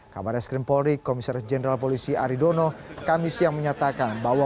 kabar eskrim polri komisaris jenderal polisi aridono kamis yang menyatakan bahwa